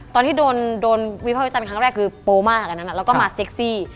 ตอนที่โดนวิภาควิจารณครั้งแรกคือโปรมากอันนั้นแล้วก็มาเซ็กซี่